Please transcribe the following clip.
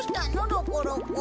ロコロコ。